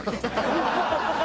ハハハハ！